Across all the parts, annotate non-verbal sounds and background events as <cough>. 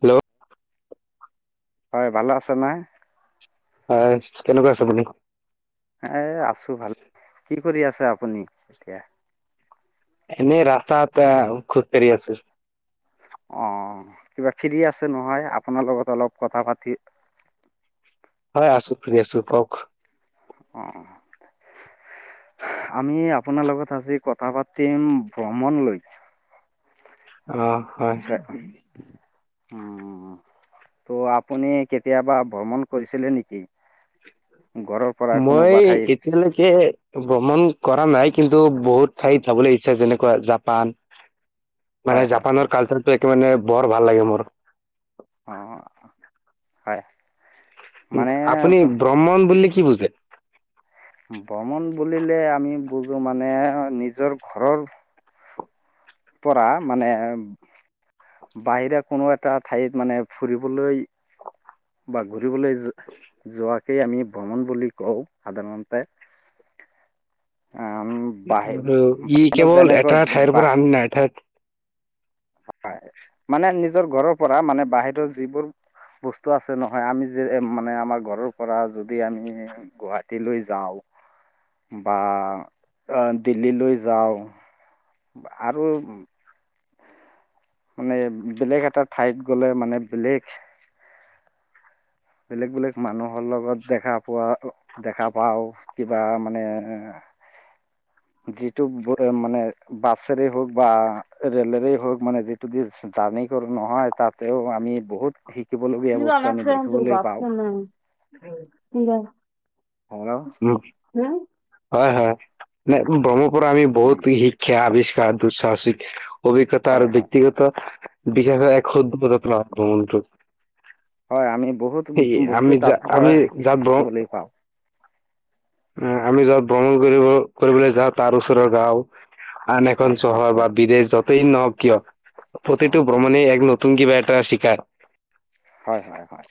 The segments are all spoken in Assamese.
হেল্ল'। হয় ভালো আছে নাই ফাৰ্ছ কেনেকোৱা আছে আপুনি এ আছো ভালে কি কৰি আছে আপুনি এতিয়া এনেই ৰাস্তাত এ খোজকাঢ়ি আছো অ কিবা ফ্ৰী আছে নহয় আপোনাৰ লগত অলপ কথা পাতি হয় আছো ফ্ৰী আছো কওক অ আমি আপোনাৰ লগত আজি কথা পাতিম ভ্ৰমণলৈ অ হয় উম ত' আপুনি কেতিয়াবা ভ্ৰমণ কৰিছিলে নেকি ঘৰৰ পৰা মই কোনোবা ঠাইত এতিয়ালৈকে ভ্ৰমণ কৰা নাই কিন্তু বহুত ঠাইত যাবলৈ ইচ্ছা যেনেকোৱা জাপান হয় মানে হয় জাপানৰ হয় কালচাৰটো একে মানে বৰ ভাল লাগে মোৰ অ হয় মানে আপুনি ভ্ৰমণ বুলিলে কি বুজে ভ্ৰমন বুলিলে আমি বুজো মানে নিজৰ ঘৰৰ <unintelligible> পৰা মানে বাহিৰে কোনো এটা ঠাইত মানে ফুৰিবলৈ বা ঘূৰিবলৈ যোৱাকেই আমি ভ্ৰমণ বুলি কওঁ সাধাৰণতে <inaudible> আম আৰু ই বাহিৰত কেৱল এটা ঠাইৰ যেনেকৈ পৰা আন নাই ঠাইত হয় মানে নিজৰ ঘৰৰ পৰা মানে বাহিৰৰ যিবোৰ বস্তু আছে নহয় আমি যে মানে আমাৰ ঘৰৰ পৰা যদি আমি গুৱাহাটীলৈ যাওঁ বা অহ দিল্লীলৈ যাওঁ আৰু মানে বেলেগ এটা ঠাইত গ'লে মানে বেলেগ বেলেগ বেলেগ মানুহৰ লগত দেখা পোৱা দেখা পাও কিবা মানে <unintelligible> যিটো মানে বাছেৰে হওক বা ৰেলেৰে হওক মানে যিটো জাৰ্ণি নহয় তাতেও আমি বহুত শিকিবলগীয়া বস্তু আমি দেখো টোৰ বাপটো নাই হয় হম হয় হয় ন ব্ৰহ্মপুত্ৰ আমি বহুত শিক্ষা আৱিষ্কাৰ দুসাহিক অভিজ্ঞতা হয় আৰু হয় ব্যক্তিগত বিশষ এক ভ্ৰমণটো হয় আমি বহুত সেই আমি বস্তু যা তাৰ আমি পৰা শি যাত ভ্ৰম শিকিবলৈ পাওঁ আমি যত ভ্ৰমণ কৰিব কৰিবলৈ যাওঁ তাৰ ওচৰৰ গাওঁ আন হয় এখন হয় চহৰ হয় বা বিদেশ যতেই নহওক কিয় প্ৰতিটো অঁ ভ্ৰমণে এক নতুন কিবা তা চিকাৰ হয় হয় হয়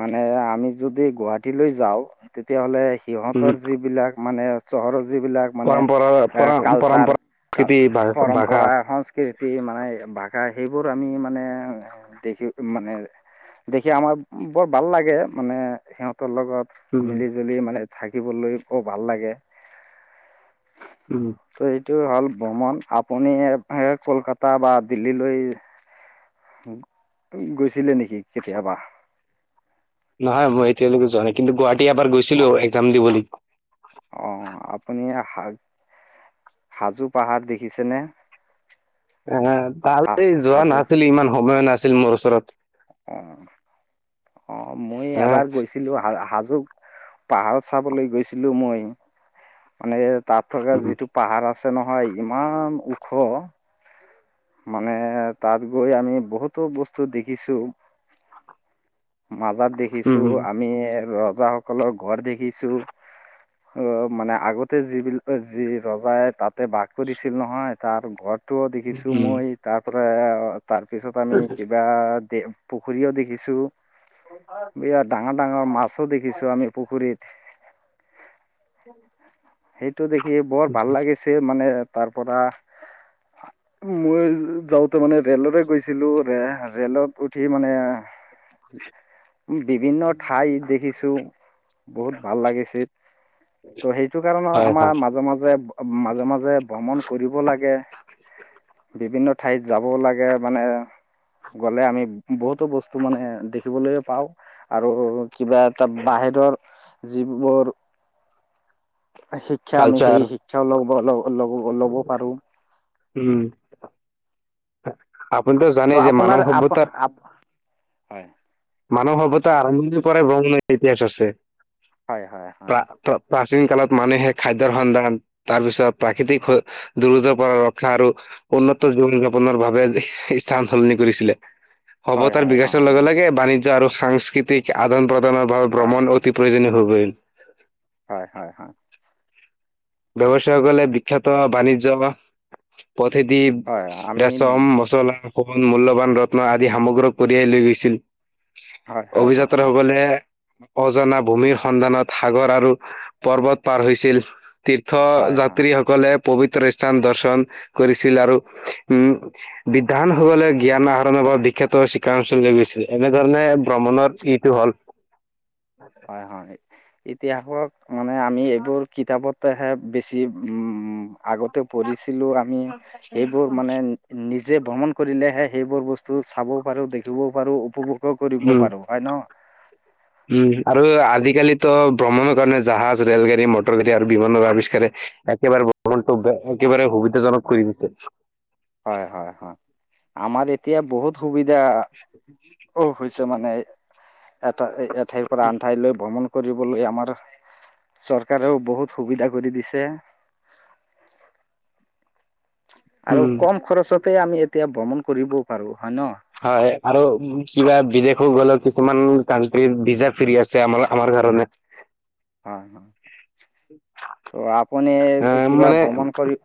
মানে আমি যদি গুৱাহাটীলৈ যাওঁ তেতিয়া হ'লে উম সিহঁতৰ যিবিলাক মানে চহৰৰ যিবিলাক মানে পৰম্পৰা পৰ কালচাৰ পৰম্পৰা কা সংস্কৃতি ভা- ভাষা পৰম্পৰা সংস্কৃতি মানে ভাষা সেইবোৰ আমি মানে দেখি মানে দেখি আমাৰ বৰ ভাল লাগে মানে সিহঁতৰ লগত উম মিলি জুলি মানে থাকিবলৈ অ ভাল লাগে উম ত এইটো হ'ল ভ্ৰমন আপুনি কলকাতা বা দিল্লীলৈ গৈছিলে নেকি কেতিয়াবা নহয় মই এতিয়ালৈকে যোৱা নাই কিন্তু গুৱাহাটী এবাৰ অ গৈছিলো এক্সাম দিবলৈ অ আপুনি শাক হাজো পাহাৰ দেখিছেনে এ হা তালে যোৱা হাজো নাছিলি, ইমান সময় নাছিল মোৰ ওচৰত। অ অ মই আহ এবাৰ গৈছিলো হাজ পাহাৰত চাবলৈ গৈছিলো মই। মানে তাত থকা উম যিটো পাহাৰ আছে নহয় ইমান ওখ। মানে তাত গৈ আমি বহুতো বস্তু দেখিছো। মাজাৰ উম দেখিছো উম, আমি ৰজাসকলৰ ঘৰ দেখিছো। অ মানে আগতে যিবিলাক যি ৰজাই তাতে বাঘটো দিছিল নহয় তাৰ ঘৰত ফটো দেখিছো উম, মই তাৰ পৰা তাৰপিছত আমি কিবা পুখুৰীও দেখিছো। বিয়া ডাঙৰ ডাঙৰ মাছো দেখিছো আমি পুখুৰীত। অ। সেইটো দেখি বৰ ভাল লাগিছে মানে তাৰ পৰা মই যাওঁতে মানে ৰেলৰে গৈছিলো। ৰেলত উঠি মানে বিভিন্ ঠাই দেখিছো বহুত ভাল লাগিছিল। ত' সেই কাৰণৰ হয় আমাৰ হয় মাজে মাজে মাজে মাজে যে ভ্ৰমণ কৰিব লাগে বিভিন্ন ঠাইত যাব লাগে মানে গ'লে আমি বহুতো বস্তু মানে দেখিবলৈ পাও, আৰু কিবা এটা বাহিৰৰ যিবোৰ শিক্ষা আমি কালচাৰ সেই শিক্ষাও লব ল লব ল'ব পাৰো। আপুনিতটো ত' জানেই যে আপোনাৰ মানৱ আপ সভ্যতা আপ হয়। মানৱ সভ্যতা আৰম্ভণিৰ পৰাই ব্ৰঙ ইতিহাস আছে। হয় হয় হয় প্ৰ প্ৰাচীন কালত মানুহে খাদ্যৰ সন্ধান, তাৰ পিছত প্ৰাকৃতিক দুৰজৰ পৰা ৰক্ষা আৰু উত জীৱন যাপনৰ বাবে স্থান সলনি কৰিছিলে। হয় সভতাৰ হয় বিকাশৰ হয় লগে লগে বাণিজ্য আৰু সাংস্কৃতিক আদান প্ৰদানৰ বাবে হয় ভ্ৰমণ অতি প্ৰয়োজনীয়। হৈ পৰিল। হয় হয় হয়। ব্যৱসায় সকলে বিখ্যত বাণিজ্য বা পথতি হয় হয় আমি ৰেচম মচলা ন মূল্যবান ৰত্ন আদি সামগ্ৰক কঢ়িয়াই লৈ গৈছিল। হয় হয় হয় অভিযাত্ৰা হয় সকলে অজানা ভূমিৰ সন্ধানত সাগৰ আৰু পৰ্বত পাৰ হৈছিল। তীৰ্থ হয় হয় যাত্ৰীসকলে পবিত্ৰ স্থান দৰ্শন কৰিছিল। আৰু উম বিধানসবলে জ্ঞান আহৰণৰ বিখ্যাত চিকা অঞ্চলৈ গৈছিল, এনেধৰণে ভ্ৰমণৰ ইটো হ'ল। হয় হয় ইতিহাসক মানে আমি এইবোৰ কিতাপত হে বেছি উম আগত পঢ়িছিলো আমি সেইবোৰ মানে নিজে ভ্ৰমণ কৰিলেহে। সেইবোৰ বস্তু চাবও পাৰো দেখিবও পাৰো উপভোগো কৰিব উম, পাৰো হয় ন? উম আৰু আজিকালিতো ভ্ৰমণৰ কাৰণে জাহাজ ৰেলগাড়ী মটৰ গাড়ী আৰু বিমানৰ আৱিষ্কাৰে একেবাৰে ভ্ৰমণটো একেবাৰে সুবিধাজনক কৰি দিছে। হয় - হয় - হয় আমাৰ এতিয়া বহুত সুবিধা। অ মানে এ এঠাইৰ পৰা আন ঠাইলৈ ভ্ৰমণ কৰিবলৈ আমৰ চৰকাৰেও বহুত সুবিধা কৰি দিছে। <inaudible> আৰু উম। কম খৰচতে আমি এতিয়া ভ্ৰমণ কৰিবও পাৰো। হয় ন হয় আৰু কিবা বিদেশো গ'লে কিছুমান কানট্ৰিৰ ভিজা ফ্ৰী আছে আমাৰ আমাৰ কাৰণে। হ, ত' আপুনি আহ কিবা মানে ভ্ৰমণ কৰি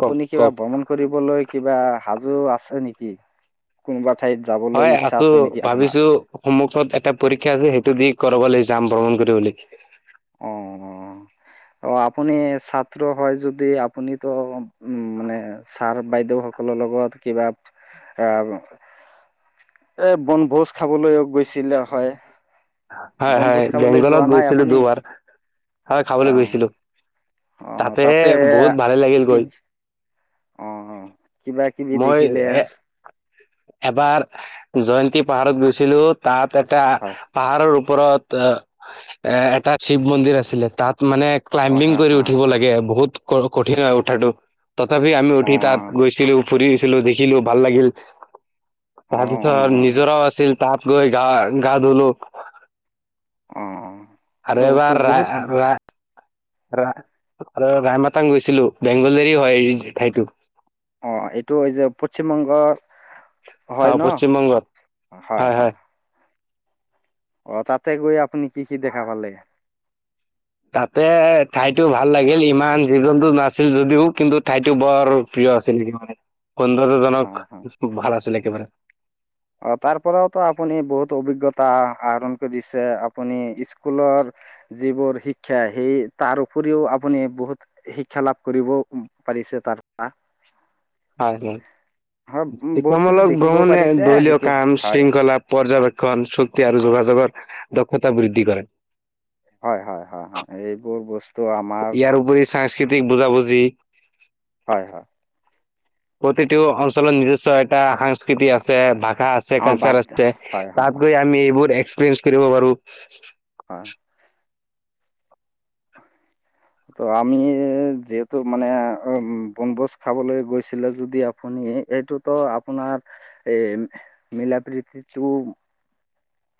কওক কিবা কওক ভ্ৰমণ কৰিবলৈ কিবা সাজু আছে নেকি কোনোবা ঠাইত যাবলৈ হয় ইচ্ছা আছো আছে নেকি আপোনাৰ ভাবিছো সন্মুখত এটা পৰীক্ষা আছে সেইটো দি কৰাব লাগি। যাম ভ্ৰমণ কৰিবলৈ। অ - অ। অ, আপুনি ছাত্ৰ হয় যদি আপুনিতো উ, মানে ছাৰ বাইদেউসকলৰ লগত ঘৰত কিবাত আহ, এ বনভোজ খাবলৈ গৈছিলে হয়। হয় - হয় বনভোজ খাবলৈ যোৱা বেংগলত নাই গৈছিলো আপুনি দুবাৰ আৰু অ চাবলৈ গৈছিলো। তাতে বহুত ভালে লাগিল কি গৈ। অ, কিবা কিবি মই দেখিলে। এ এবাৰ জয়ন্তী পাহাৰত গৈছিলো তাত এটা হয় পাহাৰৰ। ওপৰত এ এটা শিৱ মন্দিৰ আছিলে তাত। মানে অ' হা ক্লাইম্বিং কৰি হা উঠিব লাগে বহুত ক কঠিন হয় উঠাটো। তথাপি আমি উঠি তাত অ' গৈছিলো ফুৰিছিলো দেখিলো ভাল লাগিল তাহ অ' ধ অ' নিজৰাও আছিল তাত গৈ গা - গা ধুলো। অ - অ। আৰু তো এবাৰ ৰা বহুত - ৰা ৰা আৰু ৰাই মাতং গৈছিলো বেংগলি হয় সেইতো অ, এইটো যে পশ্চিমবংগৰ অ হয় ন পশ্চিম বংগত হয় - হয়। অ, তাতে গৈ আপুনি কি - কি দেখা পালে। তাতে ঠাইটো ভাল লাগিল ইমান জীৱ জন্তু নাছিল যদিও কিন্তু ঠাইটো বৰ প্ৰিয়। আছিলে বন্ধু দুজনো হয় হয় ভাল আছিল একেবাৰে অ, তাৰ পৰাওতো আপুনি বহুত অভিজ্ঞতা আহৰণ কৰিছে আপুনি স্কুলৰ যিবোৰ শিক্ষা সেই তাৰ উপৰিও আপুনি বহুত শিক্ষা লাভ কৰিব প পিছে তাৰ হয়- হয়। হয়। শিক্ষা বহুত কিছু মূলক দেখিবও ভ্ৰমণে পাৰিছে দলীয় শিকি কাম হয় শৃংখলা পৰ্যবেক্ষণ চুক্তি আৰু যোগাযোগত দক্ষতা বৃদ্ধি কৰে। হয়- হয়- হয় -হয় এইবোৰ বস্তু আমাৰ টিকৰীত বুজাবুজি। হয় - হয়। প্ৰতিটো অঞ্চলত নিৰ্জস্ব এটা সংস্কৃতি আছে ভ আছে আমাৰ কালচাৰ বাৰ্তা আছে হয় হয় তাত গৈ আমি এইবোৰ এক্সপেঞ্চ কৰিব পাৰো। হয়। ত, আমি যিহেতু মানে বনভোজ খাবলৈ গৈছিলে যদি আপুনি এইটোতো আপোনাৰ এ মিলা প্ৰীতিটো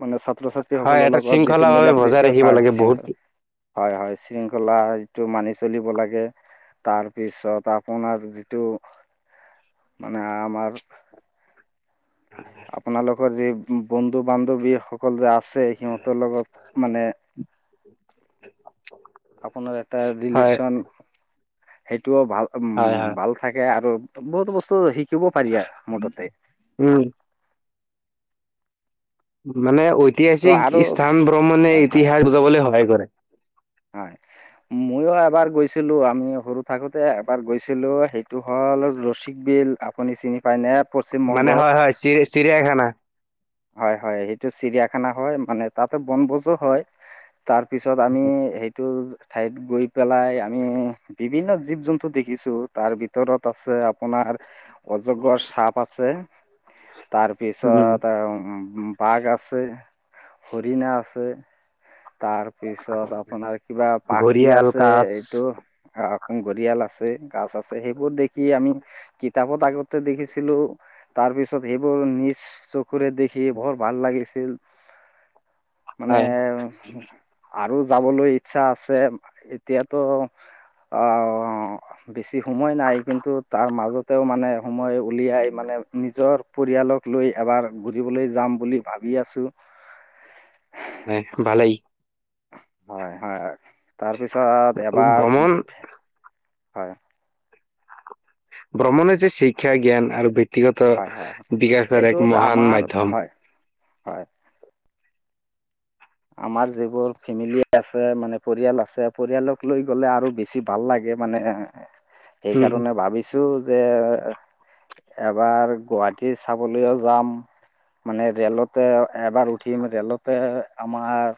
মানে ছাত্ৰ হয়, ছাত্ৰীসকলৰ এটা লগত যিটো শৃংখলা ভাৱে মিলা বজাই প্ৰীতিৰ ৰাখিব ভাৱ লাগে বহুত। হয় হয় শৃংখলা এইটো মানি চলিব লাগে। তাৰপিছত আপোনাৰ যিটো মানে আমাৰ আপোনালোকৰ যি বন্ধু বান্ধৱী সকল যে আছে সিহঁতৰ লগত মানে <inaudible> আপোনাৰ এটা হয়, ৰিলেশন- টোও ভাল উম হয়, হয়। ভাল থাকে আৰু বহুতো বস্তু শ শিকিব পাৰি আৰু মোথতে- উম, মানে ত' ঐতিহাসিক আৰু স্থান ভ্ৰমণে হয় হয় ইতিহাস বুজাবলৈ সহায় কৰে। হয়। ময়ো এবাৰ গৈছিলো আমি সৰু থাকোতে এবাৰ গৈছিলো সেইটো হ'ল ৰচিক বিল আপুনি চিনি পাই নে মানে হয়-হয় চিৰি-চিৰিয়াখানা - হয়-হয়। সেইটো চিৰিয়াখানা হয় মানে তাতে বনভোজো হয়। তাৰ পিছত আমি সেইটো ঠাইত গৈ পেলাই আমি বিভিন্ন জীৱ-জন্তু দেখিছো তাৰ ভিতৰত আছে আপোনাৰ অজগৰ সাপ আছে উম, তাৰপিছত - বাঘ আছে, হৰিণা আছে। তাৰপিছত আপোনাৰ কিবা পাখি ঘৰিয়াল, আছে কাছ এইটো ঘঁৰিয়াল, আছে গাছ আছে সেইবোৰ দেখি আমি কিতাপত আগতে দেখিছিলোঁ। তাৰ পিছত সেইবোৰ নিজ চকুৰে দেখি বৰ ভাল লাগিছিল। মানে হয়, আৰু যাবলৈ ইচ্ছা আছে এতিয়াতো - অ বেছি সময় নাই কিন্তু তাৰ মাজতেও মানে সময় উলিয়াই মানে - নিজৰ পৰিয়ালক লৈ এবাৰ ঘূৰিবলৈ যাম বুলি ভাবি আছো। হয় ভালেই। হয়-হয় তাৰপিছত এবাৰ ভ্ৰমণ হয়। ভ্ৰমণ হৈছে শিক্ষা জ্ঞান, আৰু - ব্যক্তিগত হয় হয় বিকাশৰ এইটো এক মহান আমাৰ মাধ্যম। হয় হয়। আমাৰ যিবোৰ ফেমিলি আছে মানে পৰিয়াল আছে পৰিয়ালক লৈ গ'লে আৰু বেছি ভাল লাগে। মানে উম, সেইকাৰণে ভাবিছো যে এবাৰ গুৱাহাটী চাবলৈও যাম। মানে ৰেলতে এবাৰ উঠিম ৰেলতে আমাৰ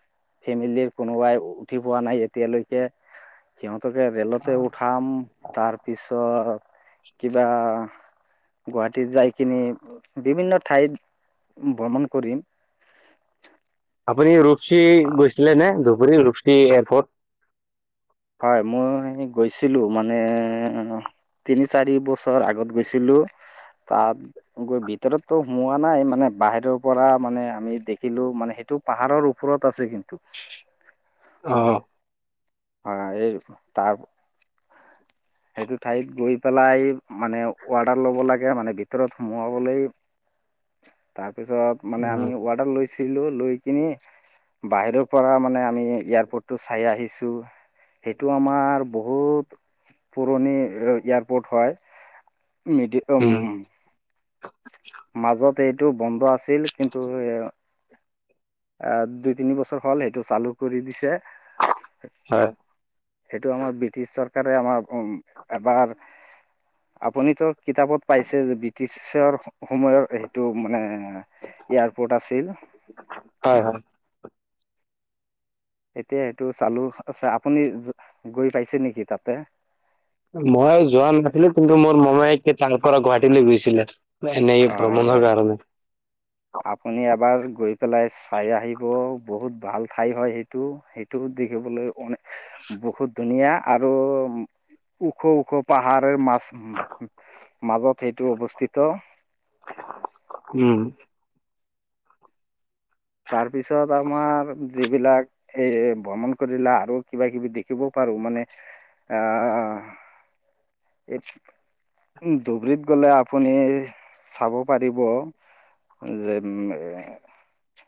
ফেমিলিৰ কোনোবাই উঠি পোৱা নাই এতিয়ালৈকে সিহঁত কে ৰেলতে উঠাম তাৰপিছত কিবা গুৱাহাটীত যাই কিনি বিভিন্ন ঠাইত ভ্ৰমণ কৰিম। <unintelligible> আপুনি ৰুপচি গৈছিলে নে ধুবুৰী ৰুপচী এয়াৰপৰ্ট - হয় মই গৈছিলো মানে, - তিনি, চাৰিবছৰ আগত গৈছিলো। তাত গৈ ভিতৰতো সোমোৱা নাই মানে বাহিৰৰ পৰা মানে আমি দেখিলো মানে সেইটো। পাহাৰৰ ওপৰত আছে কিন্তু অ অঁ এই তাৰ - সেইটো ঠাইত গৈ পেলাই মানে অৱৰ্ডাৰ ল'ব লাগে মানে ভিতৰত সোমোৱাবলৈ। তাৰ তাৰপিছত মানে উম, আমি অৱৰ্ডাৰ লৈছিলোঁ লৈ কিনি বাহিৰৰ পৰা মানে আমি এয়াৰপৰ্টটো চাই আহিছোঁ। সেইটো আমাৰ বহুত পুৰণি এয়াৰপৰ্ট হয়। মিডি উম, মাজত এইটো বন্ধ আছিল কিন্তু এ এ দুই তিনিবছৰ হ'ল সেইটো চালু কৰি দিছে হয়, সেইটো আমাৰ ব্ৰিটিছ চৰকাৰ আমাৰ উম এবাৰ আপুনিতো কিতাপত পাইছে যে ব্ৰিটিছ শ্বেয়াৰ সময়ৰ সেইটো মানে এয়াৰপৰ্ট আছিল। হয়, হয়। এতিয়া সেইটো চালো আছে আপুনি গৈ পাইছে নেকি তাতে? মই যোৱা নাছিলো কিন্তু মোৰ মোমাই তাৰ পৰা গুৱাহাটী লৈ গৈছিলে। এনেই ভ্ৰমণৰ হয় কাৰণে আপুনি এবাৰ গৈ পেলাই চাই আহিব বহুত ভাল ঠাই হয় সেইটো সেইটো দেখিবলৈ বহুত ধুনীয়া আৰু ওখ ওখ পাহাৰৰ মাছ মাজত সেইটো অৱস্থিত উম তাৰ পিছত আমাৰ যিবিলাক এ ভ্ৰমণ কৰিলে আৰু কিবা কিবি দেখিব পাৰ লো মানে আহ এ ধুবুৰীত গলে আপুনি চাব পাৰিব যে